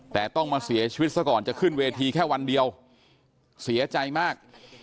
แต่ต้องมาเสียชีวิตซะก่อนจะขึ้นเวทีแค่วันเดียวเสียใจมาก